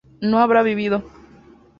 no habrá vivido